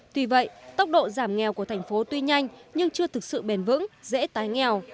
tuy vậy tốc độ giảm nghèo của thành phố tuy nhanh nhưng chưa thực sự bền vững dễ tái nghèo